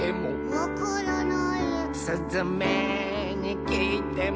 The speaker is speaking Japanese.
「わからない」「すずめにきいても」